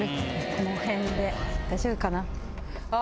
この辺で大丈夫かなあ